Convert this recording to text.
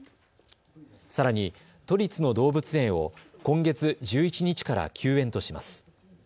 さらに都立の動物園を今月１１日から休園とします。